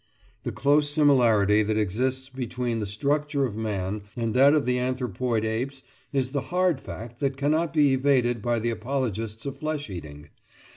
The close similarity that exists between the structure of man and that of the anthropoid apes is the hard fact that cannot be evaded by the apologists of flesh eating.